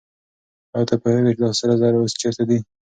آیا ته پوهېږې چې دا سره زر اوس چېرته دي؟